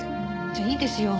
じゃあいいですよ。